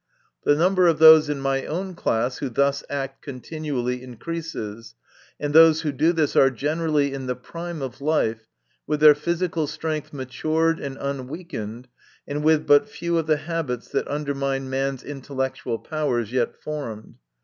The number of those in my own class who thus act continually increases, and those who do this are generally in the prime of life, with their physical strength matured and unweakened, and with but few of the habits that undermine man's intellectual powers yet formed.